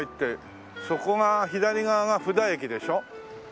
そこが左側が布田駅でしょ？